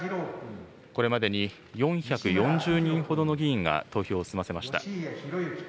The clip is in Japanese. これまでに４４０人ほどの議員が投票を済ませました。